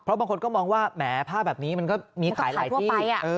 บางคนก็มองว่าแหมผ้าแบบนี้มันก็มีขายหลายที่